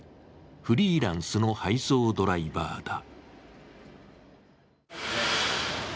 フリーランスの配送ドライバーだ。